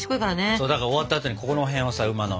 そうだから終わったあとにここの辺をさ馬の。